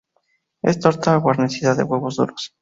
Es torta guarnecida de huevos duros.